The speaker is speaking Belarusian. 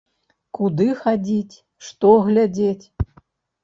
Куды хадзіць, што глядзець?